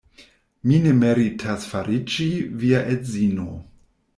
Mi ne meritas fariĝi via edzino.